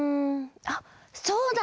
あっそうだ！